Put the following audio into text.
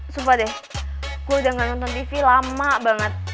sumpah deh aku udah ga nonton tv lama banget